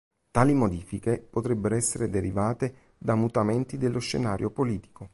Tali modifiche potrebbero essere derivate da mutamenti dello scenario politico.